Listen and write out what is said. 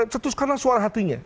cetuskanlah suara hatinya